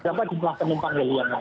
dapat diberi penumpang yang lebih banyak